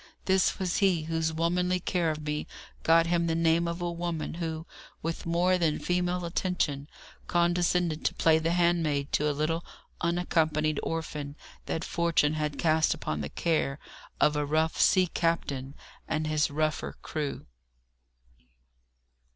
This was he whose womanly care of me got him the name of a woman, who, with more than female attention, condescended to play the handmaid to a little unaccompanied orphan that fortune had cast upon the care of a rough sea captain and his rougher crew.